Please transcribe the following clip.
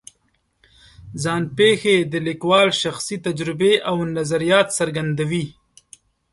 ځان پېښې د لیکوال شخصي تجربې او نظریات څرګندوي.